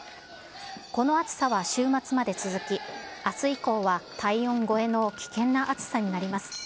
この暑さは週末まで続き、あす以降は体温超えの危険な暑さになります。